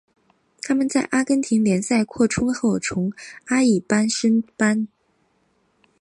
他们在阿根廷联赛扩充后从阿乙升班。